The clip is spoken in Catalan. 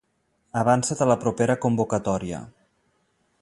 Avança't a la propera convocatòria!